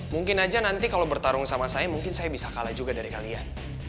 mungkin aja nanti kalau bertarung sama saya mungkin saya bisa kalah juga dari kalian